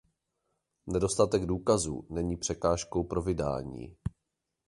Nedostatek důkazů není překážkou pro vydání.